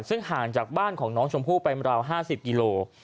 ซึ่งห่างจากบ้านของน้องชมพู่ไปราว๕๐กิโล